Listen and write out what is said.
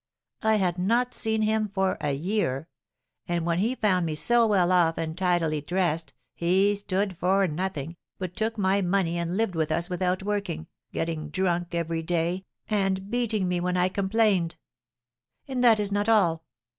I had not seen him for a year; and when he found me so well off and tidily dressed, he stood for nothing, but took my money and lived with us without working, getting drunk every day, and beating me when I complained. And that is not all.